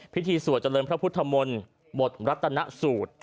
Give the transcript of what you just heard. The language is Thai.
สวดเจริญพระพุทธมนตร์บทรัตนสูตร